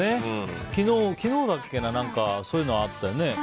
昨日だっけなそういうのあったよね。